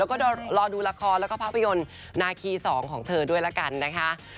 แล้วก็รอดูละครแล้วก็ภาพยนตร์นาคี๒ของเธอด้วยละกันนะคะ